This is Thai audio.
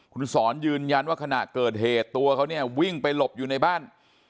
คุณสอนยืนยันว่าขณะเกิดเหตุตัวเขาเนี่ยวิ่งไปหลบอยู่ในบ้าน